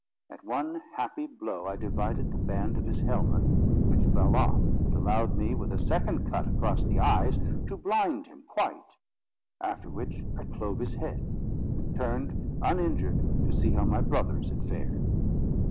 At one happy blow I divided the band of his helmet, which fell off, and allowed me, with a second cut across the eyes, to blind him quite; after which I clove his head, and turned, uninjured, to see how my brothers had fared.